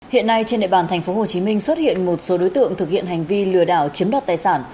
hiện nay trên địa bàn tp hcm xuất hiện một số đối tượng thực hiện hành vi lừa đảo chiếm đoạt tài sản